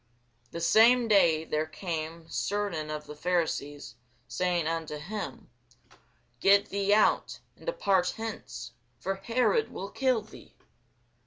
The same day there came certain of the Pharisees, saying unto him, Get thee out, and depart hence: for Herod will kill thee.